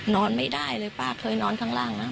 นอนไม่ได้เลยป้าเคยนอนข้างล่างนะ